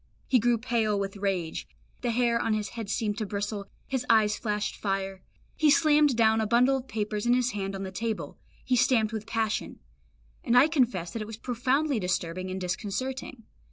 He grew pale with rage; the hair on his head seemed to bristle, his eyes flashed fire; he slammed down a bundle of papers in his hand on the table, he stamped with passion; and I confess that it was profoundly disturbing and disconcerting.